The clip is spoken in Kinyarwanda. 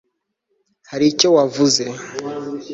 hari icyo wavuze